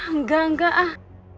enggak enggak ah